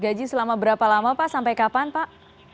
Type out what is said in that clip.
gaji selama berapa lama pak sampai kapan pak